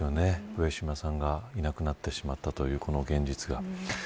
上島さんがいなくなってしまったというこの現実が。